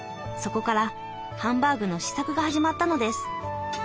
そこからハンバーグの試作が始まったのです。